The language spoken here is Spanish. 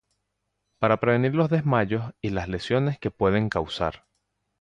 Para prevenir los desmayos y las lesiones que pueden causar